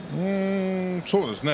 そうですね。